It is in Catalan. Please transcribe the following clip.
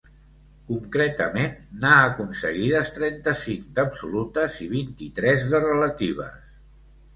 Concretament, n’ha aconseguides trenta-cinc d’absolutes i vint-i-tres de relatives.